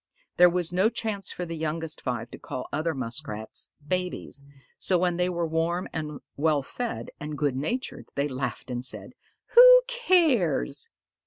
There was no chance for the youngest five to call other Muskrats "babies," so when they were warm and well fed and good natured they laughed and said, "Who cares?"